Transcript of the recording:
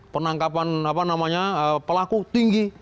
penangkapan pelaku tinggi